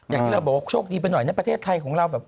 อย่างที่เราบอกว่าโชคดีไปหน่อยนะประเทศไทยของเราแบบ